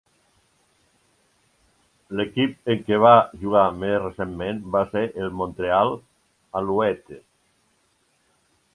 L'equip en què va jugar més recentment va ser el Montreal Alouettes.